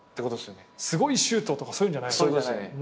すごいシュートとかそういうんじゃないよね。